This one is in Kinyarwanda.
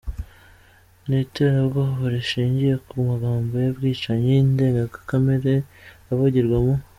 n’iterabwoba rishingiye ku magambo y’ubwicanyi ndengakamere avugirwa mu